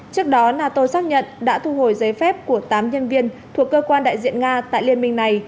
trước đó nato xác nhận đã thu hồi giấy phép của tám nhân viên thuộc cơ quan đại diện nga tại liên minh này